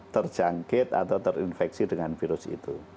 terjangkit atau terinfeksi dengan virus itu